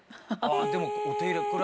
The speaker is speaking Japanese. でもお手入れ